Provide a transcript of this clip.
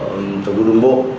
tổng cục đồng bộ